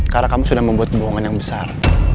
karena kamu sudah membuat bohongan yang besar